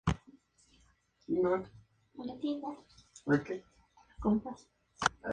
Tras ello, las mujeres de todo el país fueron a recibir el tratamiento.